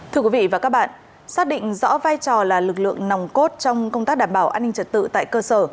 thưa quý vị và các bạn xác định rõ vai trò là lực lượng nòng cốt trong công tác đảm bảo an ninh trật tự tại cơ sở